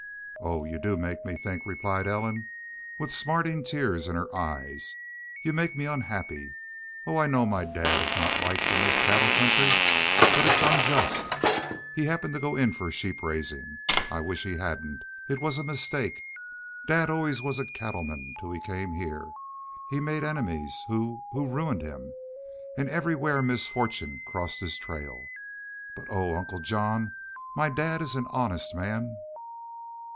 "Oh, y'u do make me think," replied Ellen, with smarting tears in her eyes. "Y'u make me unhappy. Oh, I know my dad is not liked in this cattle country. But it's unjust. He happened to go in for sheep raising. I wish he hadn't. It was a mistake. Dad always was a cattleman till we came heah. He made enemies who who ruined him. And everywhere misfortune crossed his trail.... But, oh, Uncle John, my dad is an honest man."